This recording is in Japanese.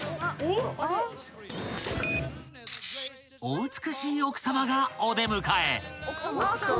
［お美しい奥さまがお出迎え］